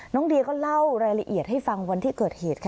เดียก็เล่ารายละเอียดให้ฟังวันที่เกิดเหตุค่ะ